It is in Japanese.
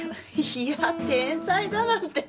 いや天才だなんて。